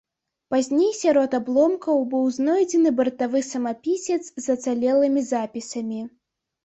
Пазней сярод абломкаў быў знойдзены бартавы самапісец з ацалелымі запісамі.